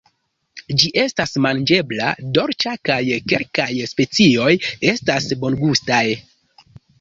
Ĝi estas manĝebla, dolĉa kaj kelkaj specioj estas bongustaj.